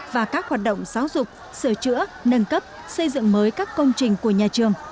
và các hoạt động giáo dục sửa chữa nâng cấp xây dựng mới các công trình của nhà trường